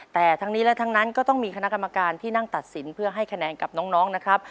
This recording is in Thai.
แต่ทั้งนี้และทั้งนั้นก็ต้องมีคณะกรรมการที่นั่งตัดสินเพื่อให้คะแนนกับน้องนะครับ